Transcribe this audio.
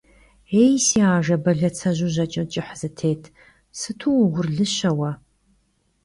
Yêy si Ajje belatseju jaç'e ç'ıh zıtêt, sıtu vuuğurlışe vue.